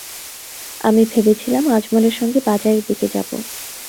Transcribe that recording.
আমি ভেবেছিলাম, আজমলের সঙ্গে বাজারের দিকে যাব।